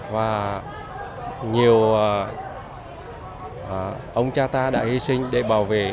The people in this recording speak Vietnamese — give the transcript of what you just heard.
và nhiều ông cha ta đã hy sinh để bảo vệ